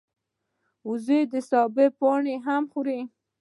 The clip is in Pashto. وزې د سبو پاڼې هم خوري